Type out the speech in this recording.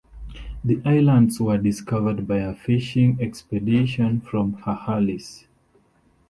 The islands were discovered by a fishing expedition from Hahalis.